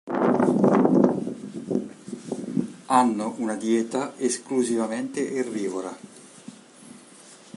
Hanno una dieta esclusivamente erbivora.